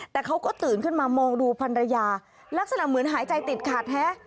แต่เขาก็ตื่นขึ้นมามองดูพันรยาลักษณะเหมือนหายใจติดขาดแท้